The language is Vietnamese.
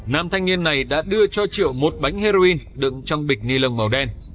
nam thanh niên này đã đưa cho triệu một bánh heroin đựng trong bịch ni lông màu đen